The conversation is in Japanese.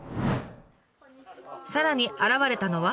さらに現れたのは。